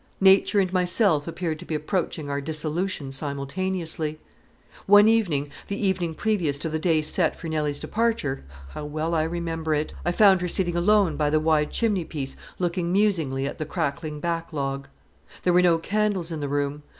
Nature and myself appeared to be approaching our dissolution simultaneously One evening, the evening previous to the day set for Nelly's departure how well I remember it I found her sitting alone by the wide chimney piece looking musingly at the crackling back log. There were no candles in the room.